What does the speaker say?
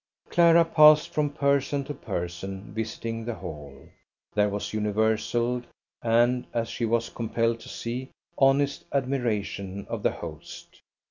Clara passed from person to person visiting the Hall. There was universal, and as she was compelled to see, honest admiration of the host.